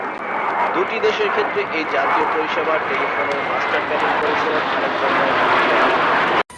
দুটি দেশের ক্ষেত্রে এই জাতীয় পরিষেবার টেলিফোনের মাস্টার পেটেন্ট করেছিলেন আলেকজান্ডার গ্রাহাম বেল।